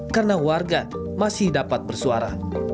karena warga masih dapat bersuara